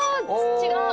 違う！